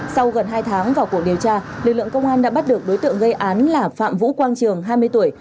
sau gần hai tháng vào cuộc điều tra lực lượng công an đã bắt được đối tượng gây án là phạm vũ quang trường hai mươi tuổi